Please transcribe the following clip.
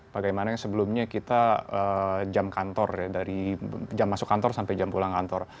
bagaimana yang sebelumnya kita jam masuk kantor sampai jam pulang kantor